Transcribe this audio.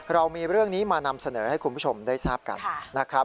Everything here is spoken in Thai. เรามีเรื่องนี้มานำเสนอให้คุณผู้ชมได้ทราบกันนะครับ